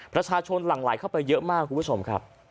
หลั่งไหลเข้าไปเยอะมากคุณผู้ชมครับ